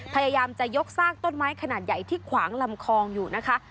พยายามจะยกซากต้นไม้ขนาดใหญ่ที่ขวางลำคองอยู่นะคะ